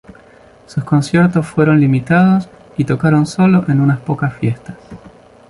Sus conciertos fueron limitados, y tocaron sólo en unas pocas fiestas.